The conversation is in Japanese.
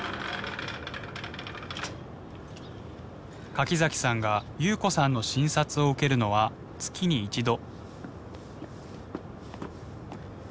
柿崎さんが夕子さんの診察を受けるのは月に一度。